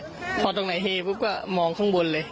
พอตรงไหนเฮปุ๊บก็มองข้างบนเลย